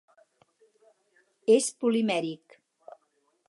És polimèric.